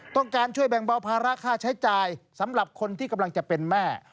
ต้องการช่วยแบ่งเบาภาระค่าใช้จ่ายสำหรับคนที่กำลังจะเป็นแม่